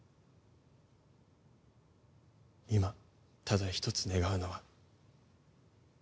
今ただ一つ願うのは。